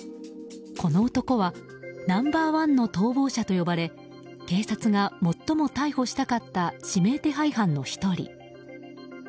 この男はナンバー１の逃亡者と呼ばれ警察が最も逮捕したかった指名手配犯の１人。